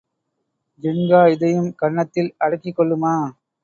ஜின்கா இதையும் கன்னத்தில் அடக்கிக்கொள்ளுமா?